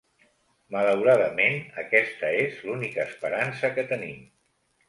Malauradament, aquesta és l'única esperança que tenim.